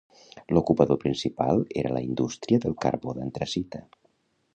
L'ocupador principal era la indústria del carbó d'antracita.